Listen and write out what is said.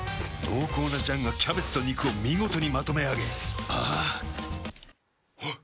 濃厚な醤がキャベツと肉を見事にまとめあげあぁあっ。